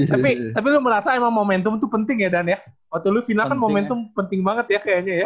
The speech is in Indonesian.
tapi tapi lo merasa emang momentum itu penting ya dan ya waktu lu fina kan momentum penting banget ya kayaknya ya